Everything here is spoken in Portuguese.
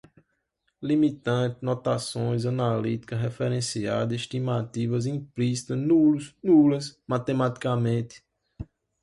limitante, notações, analítica, referenciada, estimativas, implícita, nulos, nulas, matematicamente